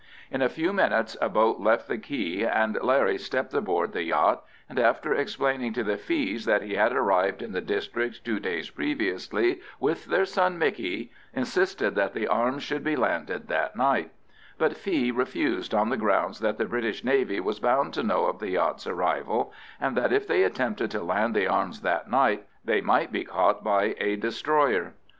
In a few minutes a boat left the quay, and Larry stepped aboard the yacht, and after explaining to the Fees that he had arrived in the district two days previously with their son Micky, insisted that the arms should be landed that night; but Fee refused, on the grounds that the British Navy was bound to know of the yacht's arrival, and that if they attempted to land the arms that night they might be caught by a destroyer.